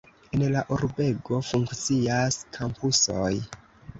En la urbego funkcias kampusoj.